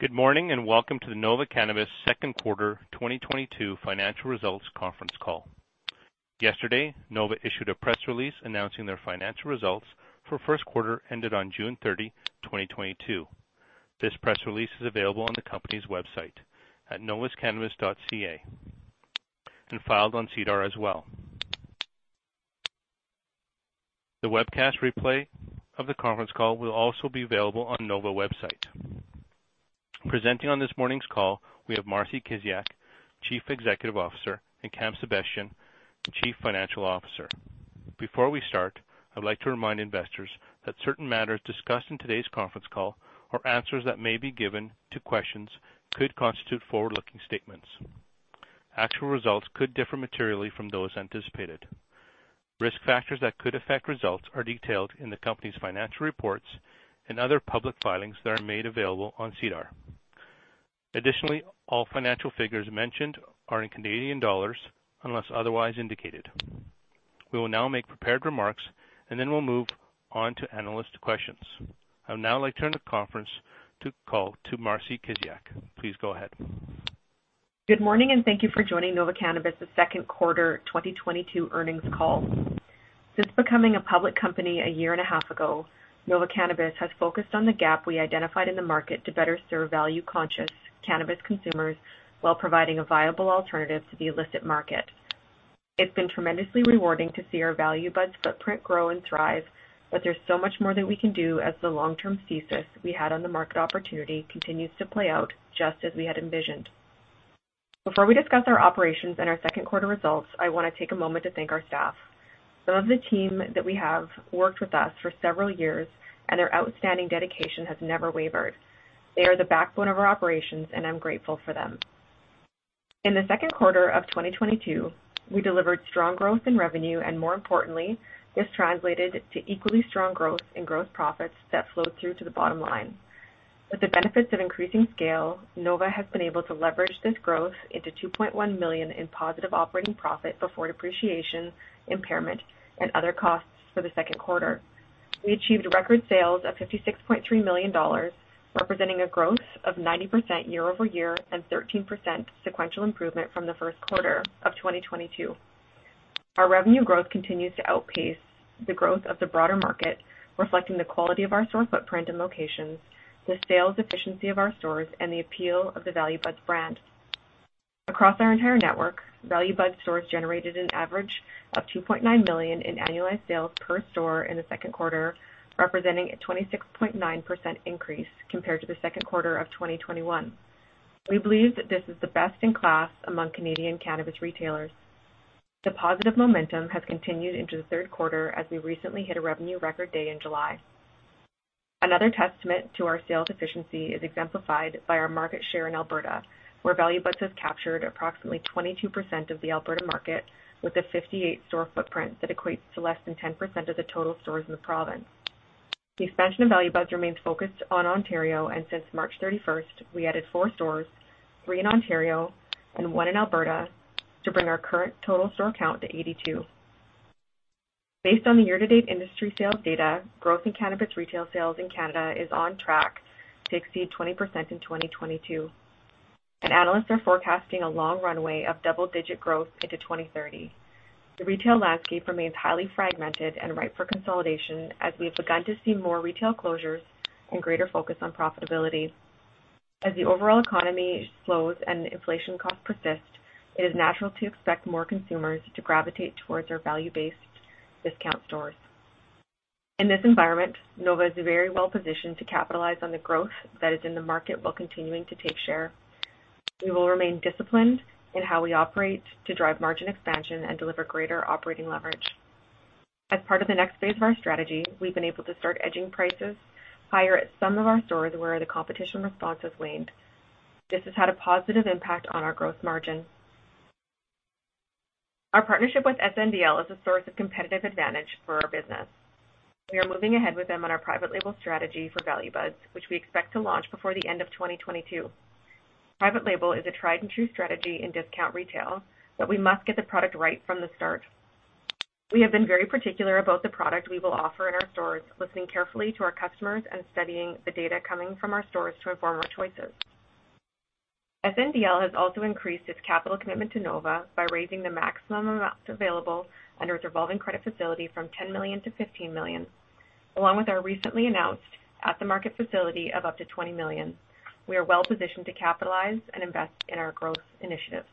Good morning. Welcome to the Nova Cannabis second quarter 2022 financial results conference call. Yesterday, Nova issued a press release announcing their financial results for first quarter ended on June 30, 2022. This press release is available on the company's website at novacannabis.ca and filed on SEDAR as well. The webcast replay of the conference call will also be available on Nova website. Presenting on this morning's call, we have Marcie Kiziak, Chief Executive Officer, and Cam Sebastian, Chief Financial Officer. Before we start, I'd like to remind investors that certain matters discussed in today's conference call or answers that may be given to questions could constitute forward-looking statements. Actual results could differ materially from those anticipated. Risk factors that could affect results are detailed in the company's financial reports and other public filings that are made available on SEDAR. Additionally, all financial figures mentioned are in Canadian dollars unless otherwise indicated. We will now make prepared remarks, and then we'll move on to analyst questions. I'll now return the conference call to Marcie Kiziak. Please go ahead. Good morning, thank you for joining Nova Cannabis second quarter 2022 earnings call. Since becoming a public company a year and a half ago, Nova Cannabis has focused on the gap we identified in the market to better serve value-conscious cannabis consumers while providing a viable alternative to the illicit market. It's been tremendously rewarding to see our Value Buds footprint grow and thrive, but there's so much more that we can do as the long-term thesis we had on the market opportunity continues to play out just as we had envisioned. Before we discuss our operations and our second quarter results, I want to take a moment to thank our staff. Some of the team that we have worked with us for several years, and their outstanding dedication has never wavered. They are the backbone of our operations, and I'm grateful for them. In the second quarter of 2022, we delivered strong growth in revenue, more importantly, this translated to equally strong growth in gross profits that flowed through to the bottom line. With the benefits of increasing scale, Nova has been able to leverage this growth into 2.1 million in positive operating profit before depreciation, impairment, and other costs for the second quarter. We achieved record sales at 56.3 million dollars, representing a growth of 90% year-over-year and 13% sequential improvement from the first quarter of 2022. Our revenue growth continues to outpace the growth of the broader market, reflecting the quality of our store footprint and locations, the sales efficiency of our stores, and the appeal of the Value Buds brand. Across our entire network, Value Buds stores generated an average of 2.9 million in annualized sales per store in the second quarter, representing a 26.9% increase compared to the second quarter of 2021. We believe that this is the best in class among Canadian cannabis retailers. The positive momentum has continued into the third quarter as we recently hit a revenue record day in July. Another testament to our sales efficiency is exemplified by our market share in Alberta, where Value Buds has captured approximately 22% of the Alberta market with a 58-store footprint that equates to less than 10% of the total stores in the province. The expansion of Value Buds remains focused on Ontario, and since March 31st, we added four stores, three in Ontario and one in Alberta, to bring our current total store count to 82. Based on the year-to-date industry sales data, growth in cannabis retail sales in Canada is on track to exceed 20% in 2022. Analysts are forecasting a long runway of double-digit growth into 2030. The retail landscape remains highly fragmented and ripe for consolidation as we begin to see more retail closures and greater focus on profitability. As the overall economy slows and inflation costs persist, it is natural to expect more consumers to gravitate towards our value-based discount stores. In this environment, Nova is very well-positioned to capitalize on the growth that is in the market while continuing to take share. We will remain disciplined in how we operate to drive margin expansion and deliver greater operating leverage. As part of the next phase of our strategy, we've been able to start edging prices higher at some of our stores where the competition response has waned. This has had a positive impact on our growth margin. Our partnership with SNDL is a source of competitive advantage for our business. We are moving ahead with them on our private label strategy for Value Buds, which we expect to launch before the end of 2022. Private label is a tried-and-true strategy in discount retail, but we must get the product right from the start. We have been very particular about the product we will offer in our stores, listening carefully to our customers and studying the data coming from our stores to inform our choices. SNDL has also increased its capital commitment to Nova by raising the maximum amounts available under its revolving credit facility from 10 million-15 million. Along with our recently announced at-the-market facility of up to 20 million, we are well-positioned to capitalize and invest in our growth initiatives.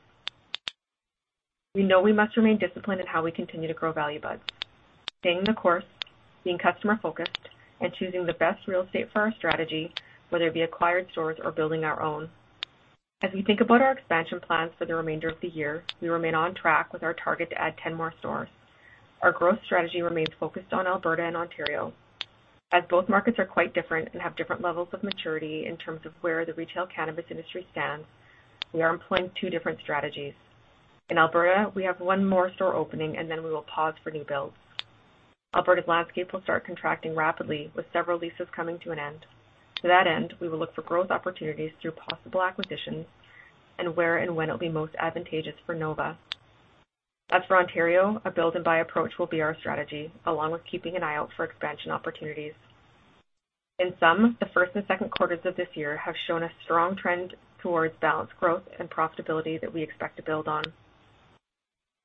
We know we must remain disciplined in how we continue to grow Value Buds, staying the course, being customer-focused, and choosing the best real estate for our strategy, whether it be acquired stores or building our own. As we think about our expansion plans for the remainder of the year, we remain on track with our target to add 10 more stores. Our growth strategy remains focused on Alberta and Ontario. As both markets are quite different and have different levels of maturity in terms of where the retail cannabis industry stands, we are employing two different strategies. In Alberta, we have one more store opening, and then we will pause for new builds. Alberta landscape will start contracting rapidly with several leases coming to an end. To that end, we will look for growth opportunities through possible acquisitions and where and when it'll be most advantageous for Nova. As for Ontario, a build and buy approach will be our strategy, along with keeping an eye out for expansion opportunities. In sum, the first and second quarters of this year have shown a strong trend towards balanced growth and profitability that we expect to build on.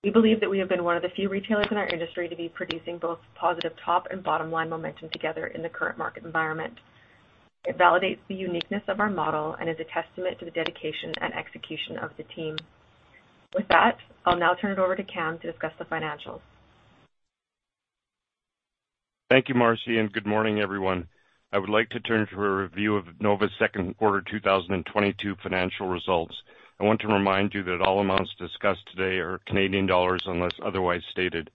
We believe that we have been one of the few retailers in our industry to be producing both positive top and bottom-line momentum together in the current market environment. It validates the uniqueness of our model and is a testament to the dedication and execution of the team. With that, I'll now turn it over to Cam to discuss the financials. Thank you, Marcie. Good morning, everyone. I would like to turn to a review of Nova's second quarter 2022 financial results. I want to remind you that all amounts discussed today are CAD unless otherwise stated.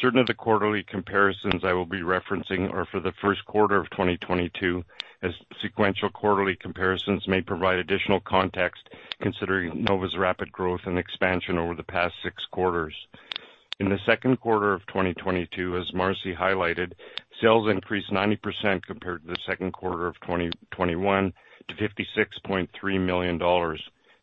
Certain of the quarterly comparisons I will be referencing are for the first quarter of 2022, as sequential quarterly comparisons may provide additional context considering Nova's rapid growth and expansion over the past six quarters. In the second quarter of 2022, as Marcie highlighted, sales increased 90% compared to the second quarter of 2021 to 56.3 million dollars.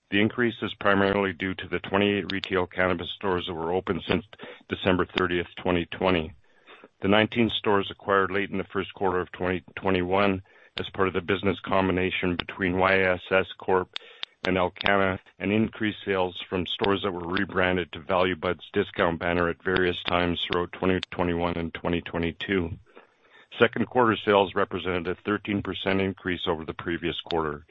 The increase is primarily due to the 28 retail cannabis stores that were open since December 30th, 2020. The 19 stores acquired late in the first quarter of 2021 as part of the business combination between YSS Corp and Alcanna, and increased sales from stores that were rebranded to Value Buds discount banner at various times throughout 2021 and 2022. Second quarter sales represented a 13% increase over the previous quarter.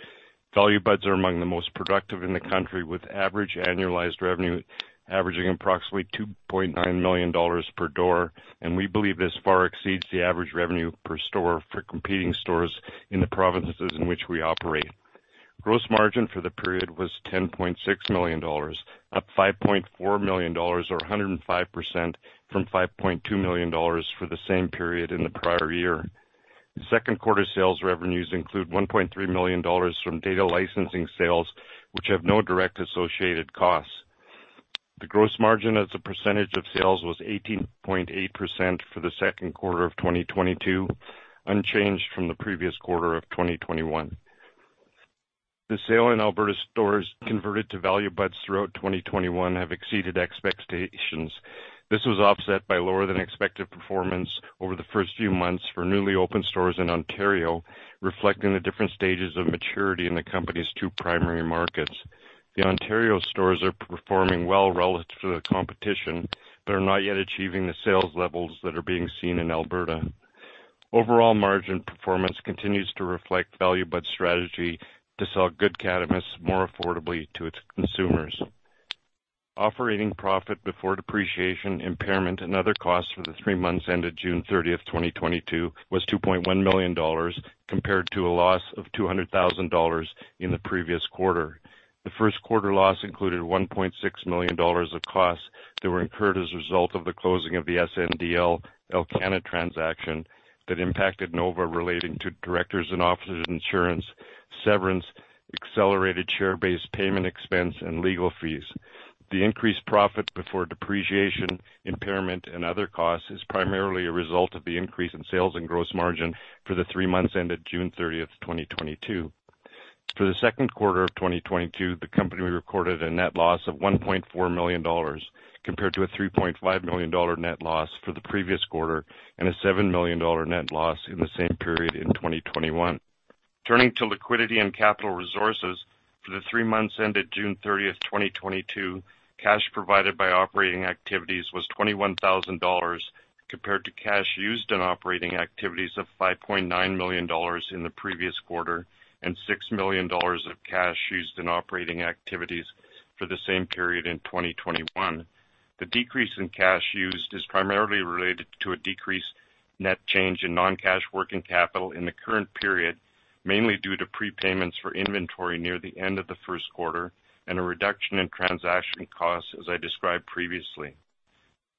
Value Buds are among the most productive in the country, with average annualized revenue averaging approximately 2.9 million dollars per door, and we believe this far exceeds the average revenue per store for competing stores in the provinces in which we operate. Gross margin for the period was 10.6 million dollars, up 5.4 million dollars, or 105%, from 5.2 million dollars for the same period in the prior year. The second quarter sales revenues include 1.3 million dollars from data licensing sales, which have no direct associated costs. The gross margin as a percentage of sales was 18.8% for the second quarter of 2022, unchanged from the previous quarter of 2021. The sale in Alberta stores converted to Value Buds throughout 2021 have exceeded expectations. This was offset by lower-than-expected performance over the first few months for newly opened stores in Ontario, reflecting the different stages of maturity in the company's two primary markets. The Ontario stores are performing well relative to the competition, but are not yet achieving the sales levels that are being seen in Alberta. Overall margin performance continues to reflect Value Buds' strategy to sell good cannabis more affordably to its consumers. Operating profit before depreciation, impairment, and other costs for the three months ended June 30th, 2022, was 2.1 million dollars, compared to a loss of 200,000 dollars in the previous quarter. The first quarter loss included 1.6 million dollars of costs that were incurred as a result of the closing of the SNDL-Alcanna transaction that impacted Nova relating to directors and officers insurance, severance, accelerated share-based payment expense, and legal fees. The increased profit before depreciation, impairment, and other costs is primarily a result of the increase in sales and gross margin for the three months ended June 30th, 2022. For the second quarter of 2022, the company recorded a net loss of 1.4 million dollars, compared to a 3.5 million dollar net loss for the previous quarter and a 7 million dollar net loss in the same period in 2021. Turning to liquidity and capital resources. For the three months ended June 30th, 2022, cash provided by operating activities was 21,000 dollars, compared to cash used in operating activities of 5.9 million dollars in the previous quarter and 6 million dollars of cash used in operating activities for the same period in 2021. The decrease in cash used is primarily related to a decreased net change in non-cash working capital in the current period, mainly due to prepayments for inventory near the end of the first quarter and a reduction in transaction costs, as I described previously.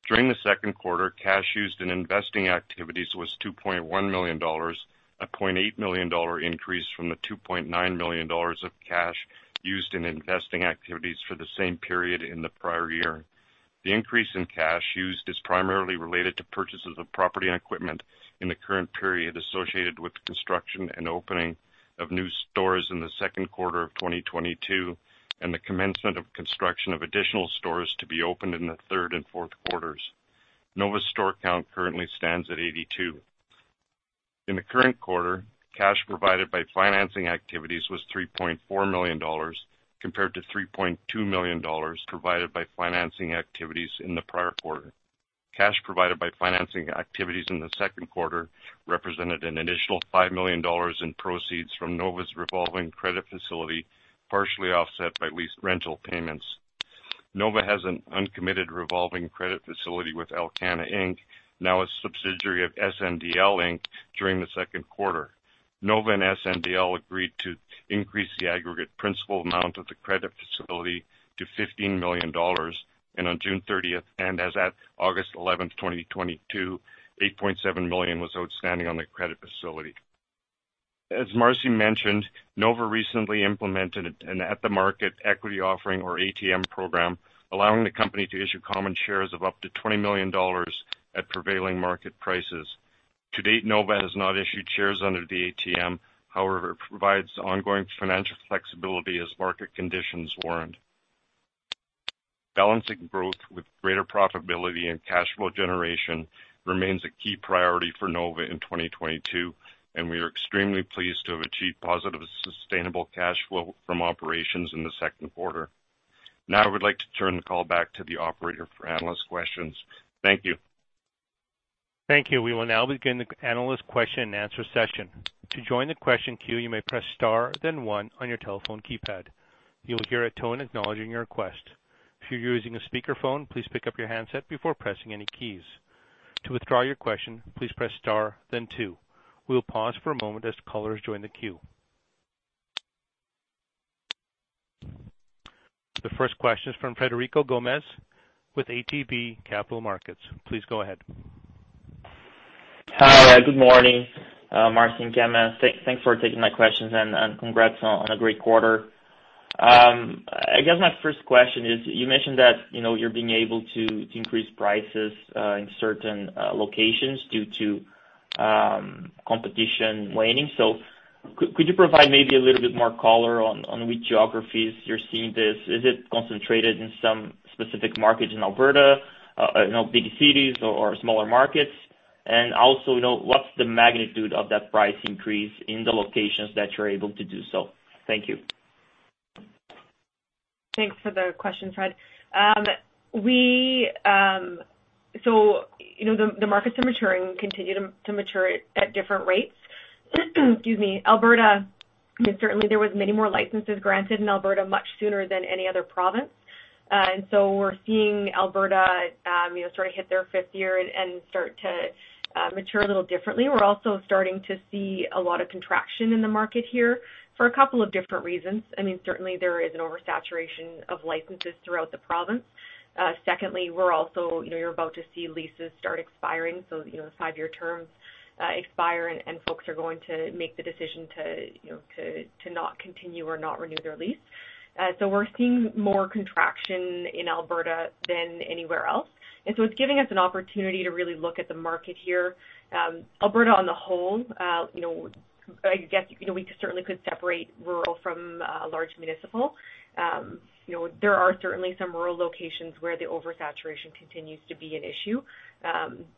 During the second quarter, cash used in investing activities was 2.1 million dollars, a 0.8 million dollar increase from the 2.9 million dollars of cash used in investing activities for the same period in the prior year. The increase in cash used is primarily related to purchases of property and equipment in the current period associated with the construction and opening of new stores in the second quarter of 2022 and the commencement of construction of additional stores to be opened in the third and fourth quarters. Nova's store count currently stands at 82. In the current quarter, cash provided by financing activities was 3.4 million dollars, compared to 3.2 million dollars provided by financing activities in the prior quarter. Cash provided by financing activities in the second quarter represented an initial 5 million dollars in proceeds from Nova's revolving credit facility, partially offset by lease rental payments. Nova has an uncommitted revolving credit facility with Alcanna Inc., now a subsidiary of SNDL Inc., during the second quarter. Nova and SNDL agreed to increase the aggregate principal amount of the credit facility to 15 million dollars, and on June 30th, and as at August 11th, 2022, 8.7 million was outstanding on the credit facility. As Marcie mentioned, Nova recently implemented an at-the-market equity offering, or ATM program, allowing the company to issue common shares of up to 20 million dollars at prevailing market prices. To date, Nova has not issued shares under the ATM. However, it provides ongoing financial flexibility as market conditions warrant. Balancing growth with greater profitability and cash flow generation remains a key priority for Nova in 2022, and we are extremely pleased to have achieved positive sustainable cash flow from operations in the second quarter. Now I would like to turn the call back to the operator for analyst questions. Thank you. Thank you. We will now begin the analyst question and answer session. To join the question queue, you may press star, then one on your telephone keypad. You will hear a tone acknowledging your request. If you are using a speaker phone, please pick up your handset before pressing any keys. To withdraw your question, please press star, then two. We will pause for a moment as callers join the queue. The first question is from Frederico Gomes with ATB Capital Markets. Please go ahead. Hi. Good morning, Marcie and Cameron. Thanks for taking my questions, and congrats on a great quarter. I guess my first question is, you mentioned that you're being able to increase prices in certain locations due to competition waning. Could you provide maybe a little bit more color on which geographies you're seeing this? Is it concentrated in some specific markets in Alberta, big cities or smaller markets? Also, what's the magnitude of that price increase in the locations that you're able to do so? Thank you. Thanks for the question, Fred. The markets are maturing and will continue to mature at different rates. Excuse me. Alberta, certainly there was many more licenses granted in Alberta much sooner than any other province. We're seeing Alberta start to hit their fifth year and start to mature a little differently. We're also starting to see a lot of contraction in the market here for a couple of different reasons. Certainly there is an oversaturation of licenses throughout the province. Secondly, we're also about to see leases start expiring, so five-year terms expiring, and folks are going to make the decision to not continue or not renew their lease. We're seeing more contraction in Alberta than anywhere else. It's giving us an opportunity to really look at the market here. Alberta on the whole, I guess we certainly could separate rural from large municipal. There are certainly some rural locations where the oversaturation continues to be an issue,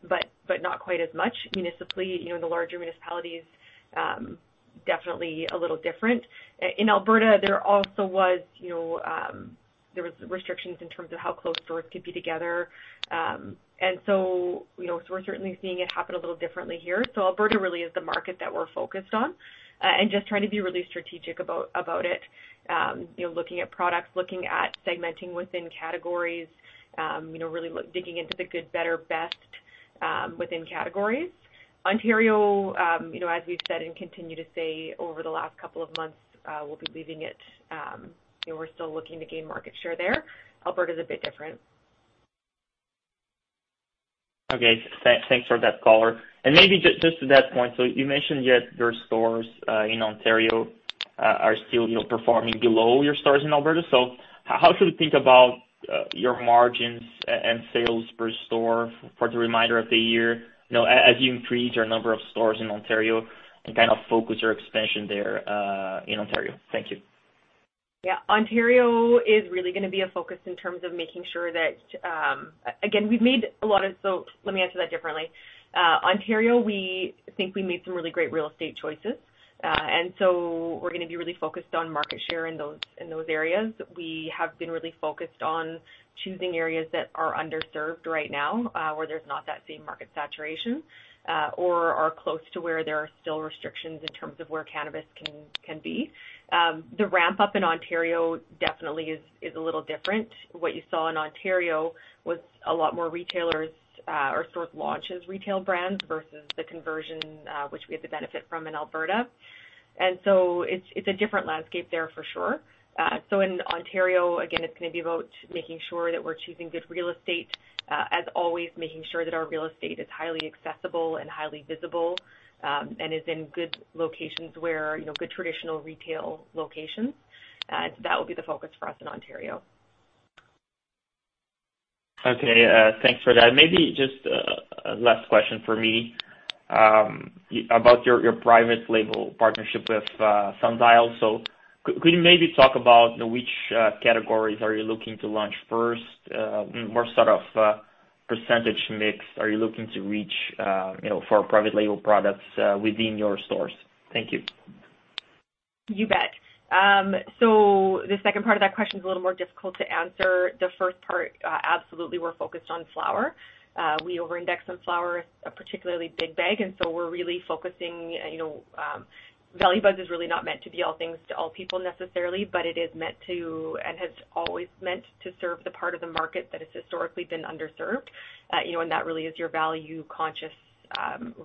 but not quite as much. Municipally, the larger municipalities, definitely a little different. In Alberta, there was restrictions in terms of how close stores could be together. We're certainly seeing it happen a little differently here. Alberta really is the market that we're focused on, and just trying to be really strategic about it. Looking at products, looking at segmenting within categories, really digging into the good, better, best within categories. Ontario, as we've said and continue to say over the last couple of months, we'll be leaving it. We're still looking to gain market share there. Alberta is a bit different. Okay. Thanks for that color. Maybe just to that point, you mentioned that your stores in Ontario are still performing below your stores in Alberta. How should we think about your margins and sales per store for the remainder of the year as you increase your number of stores in Ontario and kind of focus your expansion there in Ontario? Thank you. Ontario is really going to be a focus. Let me answer that differently. Ontario, we think we made some really great real estate choices. We're going to be really focused on market share in those areas. We have been really focused on choosing areas that are underserved right now, where there's not that same market saturation, or are close to where there are still restrictions in terms of where cannabis can be. The ramp-up in Ontario definitely is a little different. What you saw in Ontario was a lot more retailers or stores launch as retail brands versus the conversion, which we had the benefit from in Alberta. It's a different landscape there for sure. In Ontario, again, it's going to be about making sure that we're choosing good real estate, as always making sure that our real estate is highly accessible and highly visible, and is in good locations, good traditional retail locations. That'll be the focus for us in Ontario. Okay, thanks for that. Maybe just a last question from me about your private label partnership with SNDL. Could you maybe talk about which categories are you looking to launch first? What sort of percentage mix are you looking to reach for private label products within your stores? Thank you. You bet. The second part of that question is a little more difficult to answer. The first part, absolutely, we're focused on flower. We over-index on flower, particularly big bag, we're really focusing Value Buds is really not meant to be all things to all people necessarily, but it is meant to and has always meant to serve the part of the market that has historically been underserved, and that really is your value-conscious,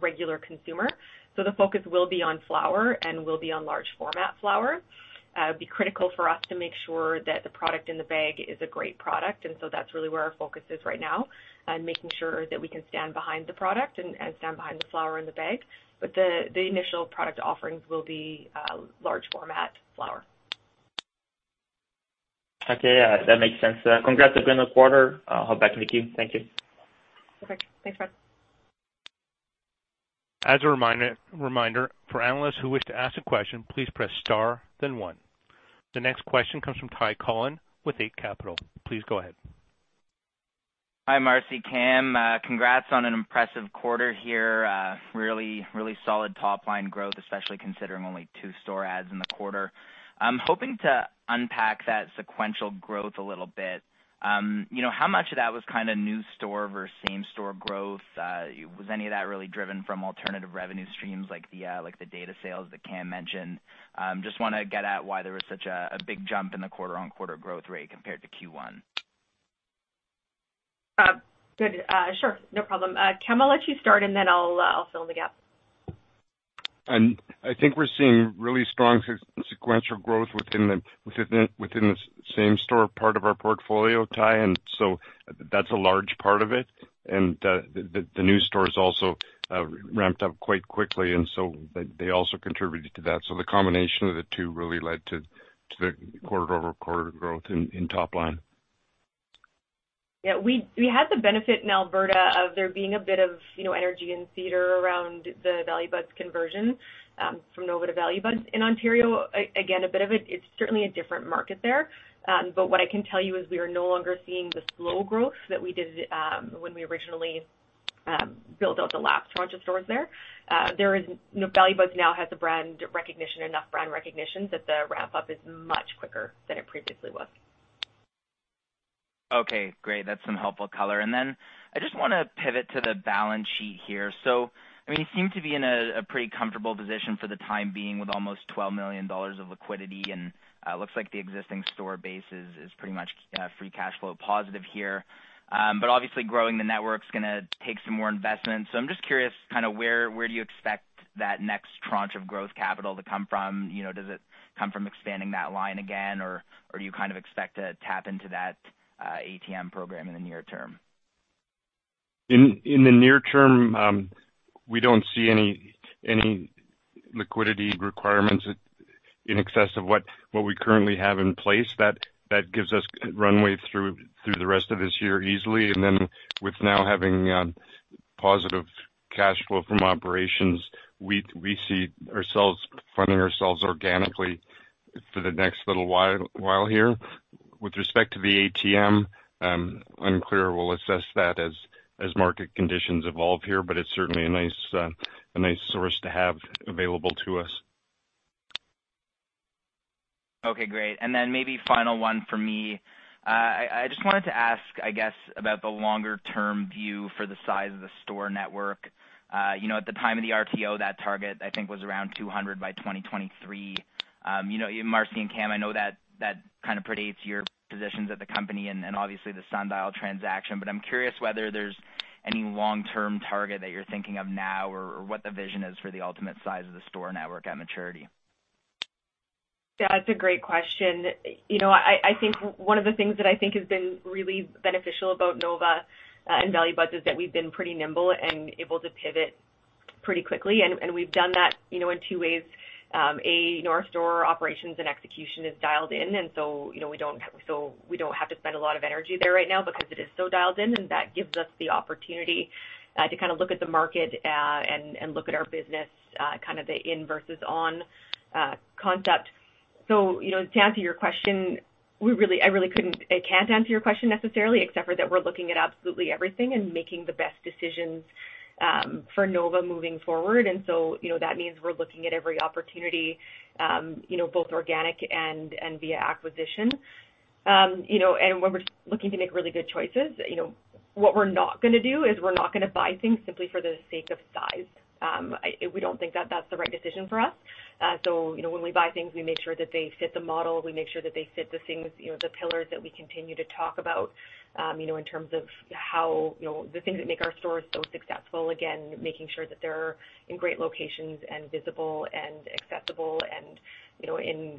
regular consumer. The focus will be on flower and will be on large format flower. It'd be critical for us to make sure that the product in the bag is a great product, that's really where our focus is right now, making sure that we can stand behind the product and stand behind the flower in the bag. The initial product offerings will be large format flower. Okay. Yeah, that makes sense. Congrats on a good quarter. I'll hop back in the queue. Thank you. Okay. Thanks, Fred. As a reminder, for analysts who wish to ask a question, please press star, then one. The next question comes from Ty Collin with Eight Capital. Please go ahead. Hi, Marcie, Cameron. Congrats on an impressive quarter here. Really solid top-line growth, especially considering only two store adds in the quarter. I'm hoping to unpack that sequential growth a little bit. How much of that was new store versus same store growth? Was any of that really driven from alternative revenue streams like the data sales that Cameron mentioned? Just want to get at why there was such a big jump in the quarter-on-quarter growth rate compared to Q1. Good. Sure. No problem. Cam, I'll let you start, and then I'll fill the gap. I think we're seeing really strong sequential growth within the same store part of our portfolio, Ty, that's a large part of it. The new stores also ramped up quite quickly, they also contributed to that. The combination of the two really led to the quarter-over-quarter growth in top line. We had the benefit in Alberta of there being a bit of energy and theater around the Value Buds conversion, from Nova to Value Buds. In Ontario, again, a bit of it's certainly a different market there. What I can tell you is we are no longer seeing the slow growth that we did when we originally built out the last tranche of stores there. Value Buds now has the brand recognition, enough brand recognition, that the ramp-up is much quicker than it previously was. Okay, great. That's some helpful color. I just want to pivot to the balance sheet here. You seem to be in a pretty comfortable position for the time being with almost 12 million dollars of liquidity and looks like the existing store base is pretty much free cash flow positive here. Obviously growing the network's going to take some more investment. I'm just curious, where do you expect that next tranche of growth capital to come from? Does it come from expanding that line again, or do you expect to tap into that ATM program in the near term? In the near term, we don't see any liquidity requirements in excess of what we currently have in place. That gives us runway through the rest of this year easily, and then with now having positive cash flow from operations, we see ourselves funding ourselves organically for the next little while here. With respect to the ATM, unclear. We'll assess that as market conditions evolve here, but it's certainly a nice source to have available to us. Okay, great. Maybe final one for me. I just wanted to ask, I guess, about the longer-term view for the size of the store network. At the time of the RTO, that target, I think, was around 200 by 2023. Marcie and Cameron, I know that predates your positions at the company and obviously the Sundial transaction, I'm curious whether there's any long-term target that you're thinking of now or what the vision is for the ultimate size of the store network at maturity. Yeah, that's a great question. I think one of the things that I think has been really beneficial about Nova and Value Buds is that we've been pretty nimble and able to pivot pretty quickly, and we've done that in two ways. A, our store operations and execution is dialed in. We don't have to spend a lot of energy there right now because it is so dialed in, and that gives us the opportunity to look at the market and look at our business, the in versus on concept. To answer your question, I can't answer your question necessarily, except for that we're looking at absolutely everything and making the best decisions for Nova moving forward. That means we're looking at every opportunity, both organic and via acquisition. We're looking to make really good choices. What we're not going to do is we're not going to buy things simply for the sake of size. We don't think that that's the right decision for us. When we buy things, we make sure that they fit the model. We make sure that they fit the things, the pillars that we continue to talk about, in terms of how the things that make our stores so successful, again, making sure that they're in great locations and visible and accessible and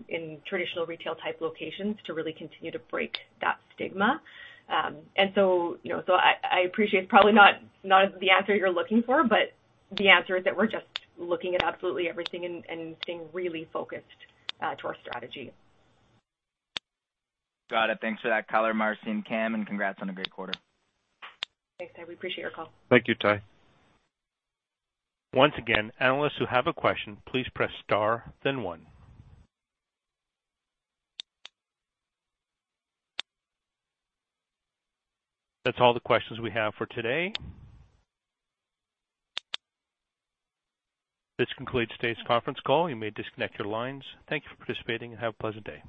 in traditional retail-type locations to really continue to break that stigma. I appreciate probably not the answer you're looking for, but the answer is that we're just looking at absolutely everything and staying really focused to our strategy. Got it. Thanks for that color, Marcie and Cam, and congrats on a great quarter. Thanks. We appreciate your call. Thank you, Ty. Once again, analysts who have a question, please press star, then one. That's all the questions we have for today. This concludes today's conference call. You may disconnect your lines. Thank you for participating and have a pleasant day.